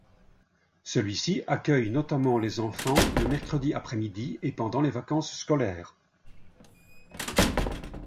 Celui-ci accueille notamment les enfants le mercredi après-midi et pendant les vacances scolaires.